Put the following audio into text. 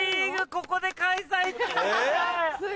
ここで開催中。